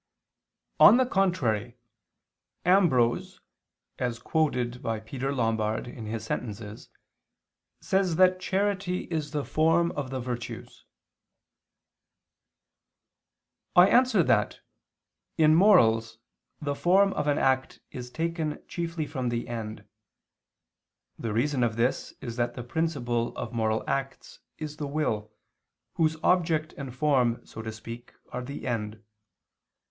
On the contrary, Ambrose [*Lombard, Sent. iii, D, 23] says that charity is the form of the virtues. I answer that, In morals the form of an act is taken chiefly from the end. The reason of this is that the principal of moral acts is the will, whose object and form, so to speak, are the end.